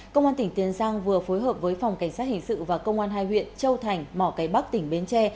công an tỉnh tiền giang vừa phối hợp với phòng cảnh sát hình sự và công an hai huyện châu thành mỏ cái bắc tỉnh bến tre